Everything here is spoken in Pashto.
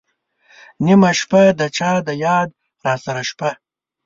نېمه شپه ، د چا د یاد راسره شپه